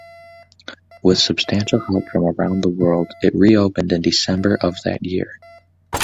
With substantial help from around the world, it reopened in December of that year.